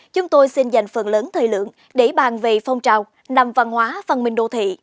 chúng tôi xin dành phần lớn thời lượng để bàn về phong trào nằm văn hóa văn minh đô thị